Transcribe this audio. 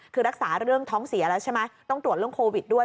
คือรักษาเรื่องท้องเสียแล้วใช่ไหมต้องตรวจเรื่องโควิดด้วย